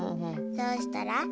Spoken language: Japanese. そうしたら。